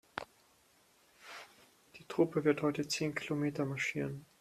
Die Truppe wird heute zehn Kilometer marschieren.